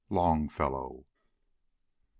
LONGFELLOW. MR.